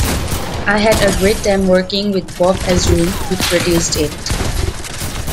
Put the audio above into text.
I had a great time working with Bob Ezrin, who produced it.